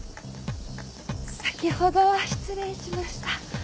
先ほどは失礼しました。